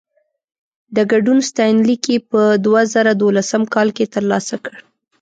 د ګډون ستاینلیک يې په دوه زره دولسم کال کې ترلاسه کړ.